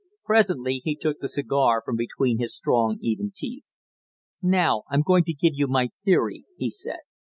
Presently he took the cigar from between his strong even teeth. "Now, I'm going to give you my theory," he said.